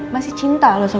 masih cinta lu sama suami